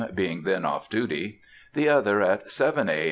(being then off duty.) The other at 7 A.